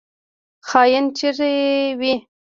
خاین چیرته وي؟